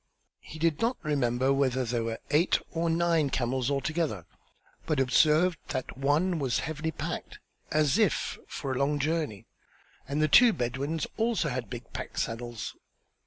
He did not remember whether there were eight or nine camels altogether, but observed that one was heavily packed as if for a long journey, and the two Bedouins also had big pack saddles.